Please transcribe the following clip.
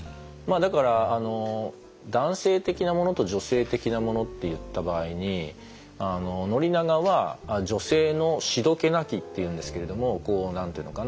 だから男性的なものと女性的なものっていった場合に宣長は女性の「しどけなき」っていうんですけれども何と言うのかな